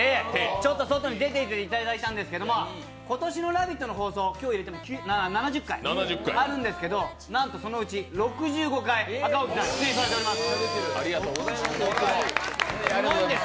ちょっと外に出ていていただいたんですけども今年の「ラヴィット！」の放送、今日を入れても７０回あるんですけれどもなんとそのうち６５回、赤荻さん出演されておりますすごいんです。